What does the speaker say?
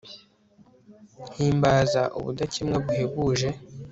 Himbaza ubudakemwa buhebuje